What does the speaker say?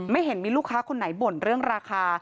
เห็นมีลูกค้าคนไหนบ่นเรื่องราคา